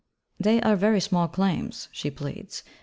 They are very small claims, she pleads.